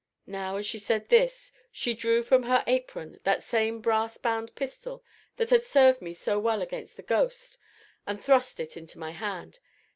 Now, as she said this, she drew from her apron that same brass bound pistol that had served me so well against the "ghost" and thrust it into my hand.